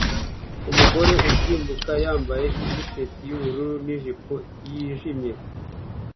Umugore usimbuka wambaye t-shati yubururu nijipo yijimye